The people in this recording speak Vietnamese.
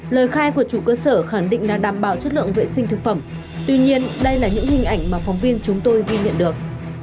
lời khai của chủ cơ sở khẳng định là đảm bảo chất lượng vệ sinh thực phẩm tuy nhiên đây là những hình ảnh mà phóng viên chúng tôi ghi nhận được